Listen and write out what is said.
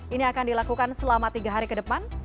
ini akan dilakukan selama tiga hari ke depan